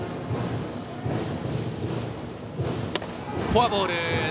フォアボール。